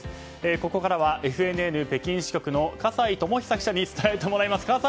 ここからはＦＮＮ北京支局の葛西友久記者に伝えてもらいます。